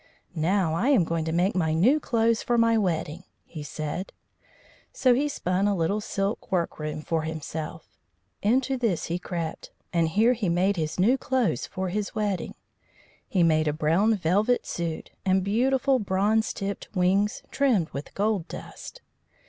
"Now I am going to make my new clothes for my wedding," he said; so he spun a little silk workroom for himself. Into this he crept, and here he made his new clothes for his wedding. He made a brown velvet suit and beautiful bronze tipped wings trimmed with gold dust.